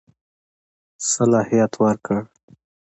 صلاحیت ورکړ.